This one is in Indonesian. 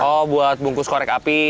oh buat bungkus korek api